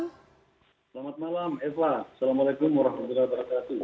selamat malam eva assalamualaikum warahmatullahi wabarakatuh